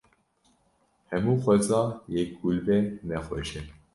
Hemû xweza yek gul be ne xweş e.